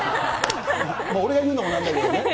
俺が言うのもなんだけどね。